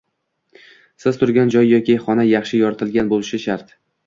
Siz turgan joy yoki xona yaxshi yoritilgan boʻlishi shart